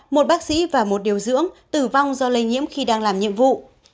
một bác sĩ và một điều dưỡng tử vong do lây nhiễm khi đang làm nhiệm vụ